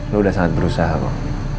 lo udah sangat berusaha kok